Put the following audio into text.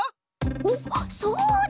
おっそうだ！